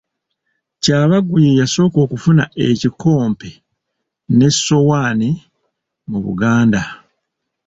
Kyabaggu ye yasooka okufuna ekikompe n'essowaane mu Buganda.